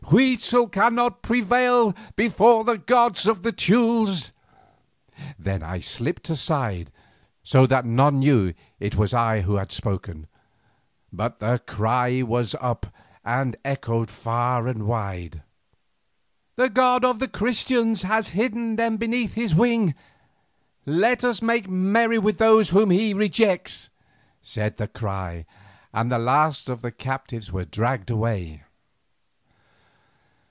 "Huitzel cannot prevail before the God of the Teules." Then I slipped aside, so that none knew that it was I who had spoken, but the cry was caught up and echoed far and wide. "The God of the Christians has hidden them beneath His wing. Let us make merry with those whom He rejects," said the cry, and the last of the captives were dragged away.